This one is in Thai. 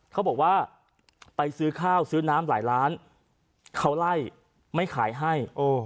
เขาบอกว่าไปซื้อข้าวซื้อน้ำหลายล้านเขาไล่ไม่ขายให้